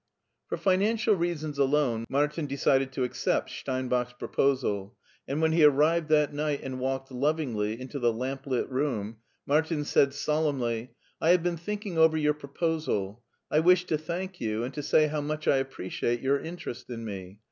For financial reasons alone Martin decided to ac cept Steinbach's proposal, and when he arrived that night and walked lovingly into the lamp lit room, Martin said solemnly :" I have been thinking over your proposal, I wish to thank you and to say how much I appreciate your interest in me.